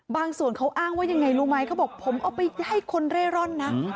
บางส่วนเขาอ้างว่ายังไงรู้ไหมเขาบอกผมเอาไปให้คนเร่ร่อนนะ